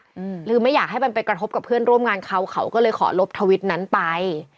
หรือไม่อยากให้มันไปกระทบกับเพื่อนร่วมงานเขาเขาก็เลยขอลบทวิตนั้นไป